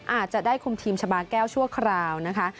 อาจจะได้คุมทีมชาบาแก้วชั่วคราวนะคะ